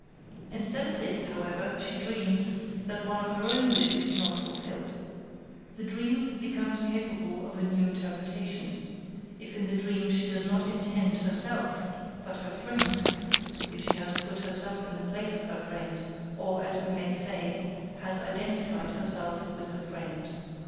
Instead of this, however, she dreams that one of her own wishes is not fulfilled. The dream becomes capable of a new interpretation, if in the dream she does not intend herself, but her friend, if she has put herself in the place of her friend, or, as we may say, has identified herself with her friend.